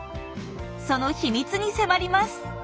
そのヒミツに迫ります。